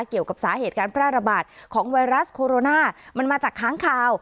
เกี่ยวกับสาเหตุการแพร่ระบาดของไวรัสโคโรนามันมาจากค้างคาว